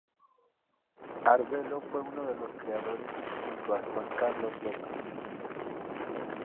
Arvelo fue uno de los creadores, junto a Juan Carlos López.